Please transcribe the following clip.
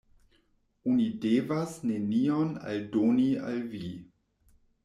Oni devas nenion aldoni al vi.